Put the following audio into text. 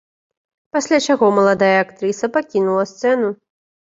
Пасля чаго маладая актрыса пакінула сцэну.